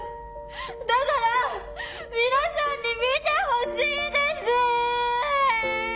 だから皆さんに見てほしいですぅ！